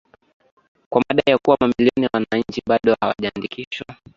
kwa madai kuwa mamilioni ya wananchi bado hawajaandikishwa